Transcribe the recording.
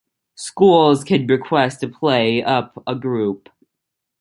Schools could request to play up a group.